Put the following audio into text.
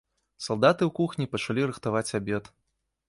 Салдаты ў кухні пачалі рыхтаваць абед.